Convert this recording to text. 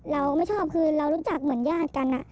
เราไม่ชอบคือเรารู้จักเหมือนญาติกัน